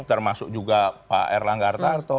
termasuk juga pak erlang gartarto